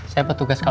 saya petugas kami